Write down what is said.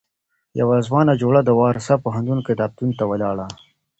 يوه ځوانه جوړه د وارسا پوهنتون کتابتون ته ولاړه.